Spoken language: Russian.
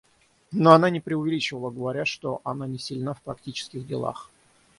Но она не преувеличивала, говоря, что она не сильна в практических делах.